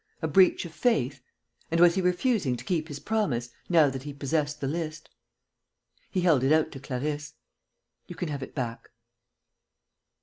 A breach of faith? And was he refusing to keep his promise, now that he possessed the list? He held it out to Clarisse: "You can have it back."